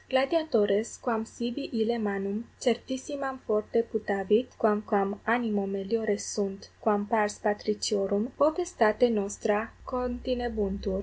Gladiatores, quam sibi ille manum certissimam fore putavit quamquam animo meliore sunt quam pars patriciorum, potestate nostra continebuntur.